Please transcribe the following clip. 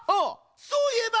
そういえば！